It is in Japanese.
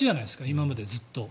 今までずっと。